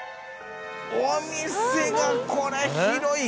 お店がこれ広い！